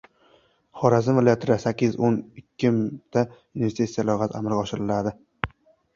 Xorazm viloyatida sakkiz yuz o'n ikki ta investitsiya loyihasi amalga oshiriladi